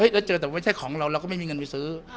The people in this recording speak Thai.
แต่ว่าไม่ใช่ของเราเราไม่มีเงินไปซื้อ